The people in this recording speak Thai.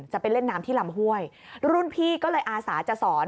จะไปเล่นน้ำที่ลำห้วยรุ่นพี่ก็เลยอาสาจะสอน